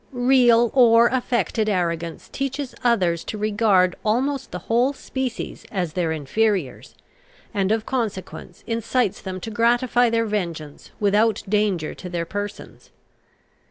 Real or affected arrogance teaches others to regard almost the whole species as their inferiors, and of consequence incites them to gratify their vengeance without danger to their persons.